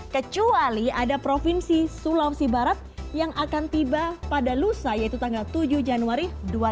kecuali ada provinsi sulawesi barat yang akan tiba pada lusa yaitu tanggal tujuh januari dua ribu dua puluh